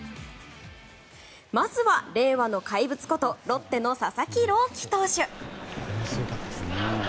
まずは令和の怪物ことロッテの佐々木朗希投手。